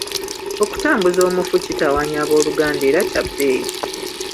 Okutambuza omufu kitawaanya abooluganda era kya bbeeyi.